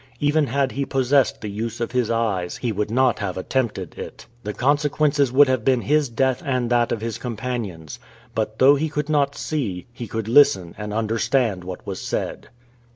Even had he possessed the use of his eyes, he would not have attempted it. The consequences would have been his death and that of his companions. But, though he could not see, he could listen and understand what was said.